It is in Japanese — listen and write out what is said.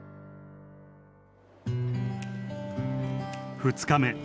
２日目